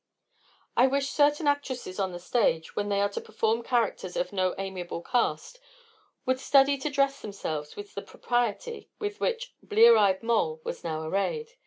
I wish certain actresses on the stage, when they are to perform characters of no amiable cast, would study to dress themselves with the propriety with which Blear eyed Moll was now arrayed.